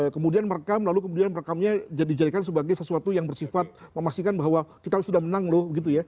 kemudian merekam lalu kemudian merekamnya dijadikan sebagai sesuatu yang bersifat memastikan bahwa kita sudah menang loh gitu ya